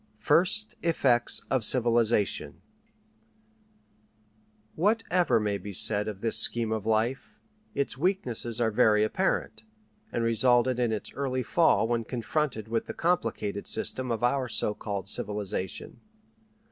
FIRST EFFECTS OF CIVILIZATION Whatever may be said for this scheme of life, its weaknesses are very apparent, and resulted in its early fall when confronted with the complicated system of our so called civilization.